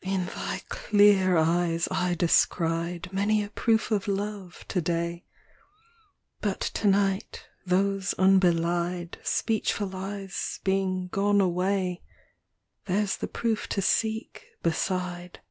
IX. In thy clear eyes I descried Many a proof of love, to day ; But to night, those unbelied Speechful eyes being gone away, There's the proof to seek, beside.